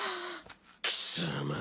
貴様。